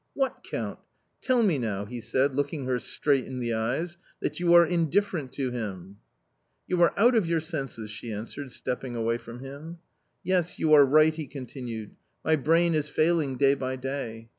" What Count ! tell me now," he said, looking her straight in the eyes, " that you are indifferent to him ?"" You are out of your senses !" she answered, stepping away from him. " Yes, you are right !" he continued, " my brain is failing day by day.